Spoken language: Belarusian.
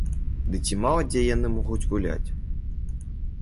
Ды ці мала дзе яны могуць гуляць.